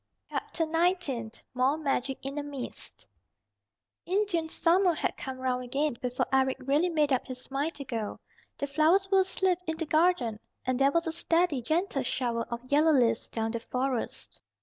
CHAPTER XIX MORE MAGIC IN A MIST Indian summer had come round again before Eric really made up his mind to go. The flowers were asleep in the garden, and there was a steady, gentle shower of yellow leaves down the Forest.